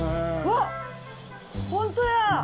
わっ本当や！